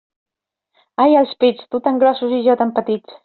Ai els pits, tu tan grossos i jo tan petits.